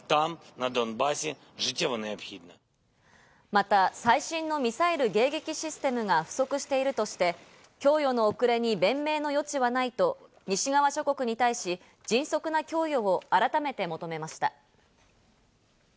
また最新のミサイル迎撃システムが不足しているとして、供与の遅れに弁明の余地はないと西側諸国に対し、迅速な供与を改めて求めました。